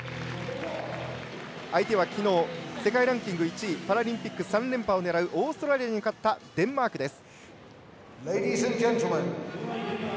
相手は昨日、世界ランキング１位パラリンピック３連覇を狙うオーストラリアに勝ったデンマークです。